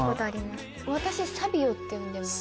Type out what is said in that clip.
私サビオって呼んでます。